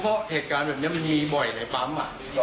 เพราะเหตุการณ์แบบนี้มันมีบ่อยในปั๊ม